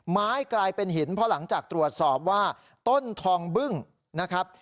กลายเป็นหินเพราะหลังจากตรวจสอบว่าต้นทองบึ้งนะครับ